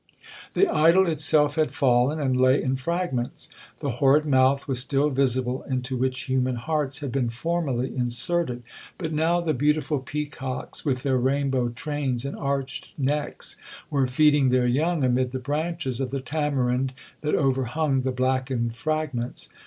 The idol itself had fallen, and lay in fragments. The horrid mouth was still visible, into which human hearts had been formerly inserted. But now, the beautiful peacocks, with their rain bow trains and arched necks, were feeding their young amid the branches of the tamarind that overhung the blackened fragments.